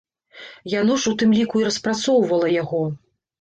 Яно ж у тым ліку і распрацоўвала яго.